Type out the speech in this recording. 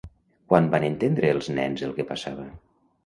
Quan van entendre els nens el que passava?